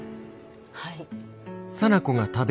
はい。